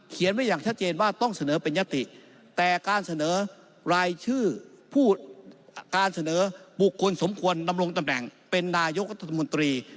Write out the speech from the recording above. ไว้อย่างชัดเจนว่าต้องเสนอเป็นยติแต่การเสนอรายชื่อผู้การเสนอบุคคลสมควรดำรงตำแหน่งเป็นนายกรัฐมนตรี